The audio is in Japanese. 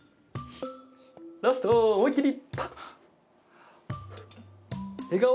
ラスト、思い切り！